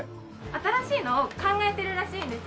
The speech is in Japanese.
新しいのを考えてるらしいんです。